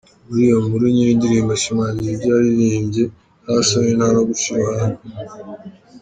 Muri iyo nkuru nyiri indirimbo ashimangira ibyo yaririmbye nta soni nta no guca iruhande.